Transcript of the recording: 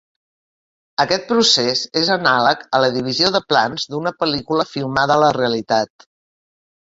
Aquest procés és anàleg a la divisió de plans d'una pel·lícula filmada a la realitat.